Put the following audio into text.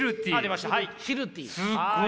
すごい。